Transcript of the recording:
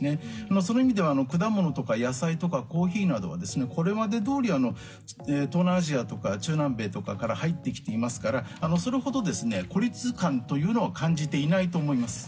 その意味では果物とか野菜とかコーヒーなどはこれまでどおり東南アジアとか中南米辺りから入ってきていますからそれほど孤立感というのは感じていないと思います。